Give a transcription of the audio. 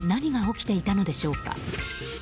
現場で何が起きていたのでしょうか。